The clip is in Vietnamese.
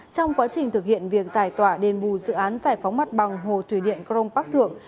trong quá trình thực hiện việc giải tỏa đền bù dự án giải phóng mặt bằng hồ thủy điện crong bắc thượng